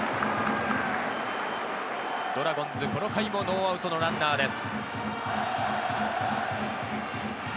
ドラゴンズ、この回もノーアウトのランナーです。